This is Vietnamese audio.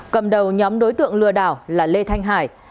cầm đầu nhóm đối tượng lừa đảo là lê thanh hải